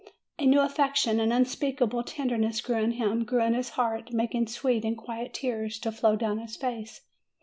A new affection, an unspeakable tender ness, grew in him, grew in his heart, making sweet and quiet tears to flow down his face.